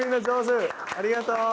ありがとう。